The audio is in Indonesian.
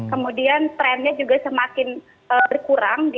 kemudian trennya juga semakin berkurang